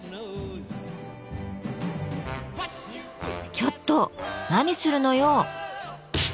ちょっと何するのよ！